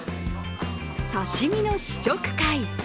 刺身の試食会。